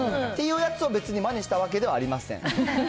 っていうやつを、別にまねしたわけではありません。